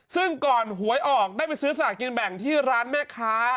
ซึ่งก่อนหวยออกได้ไปซื้อสลากกินแบ่งที่ร้านแม่ค้า